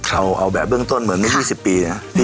เอาแบบเบื้องต้นเหมือนเมื่อ๒๐ปีนะ